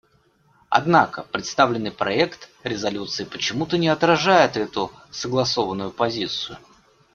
Однако представленный проект резолюции почему-то не отражает эту согласованную позицию.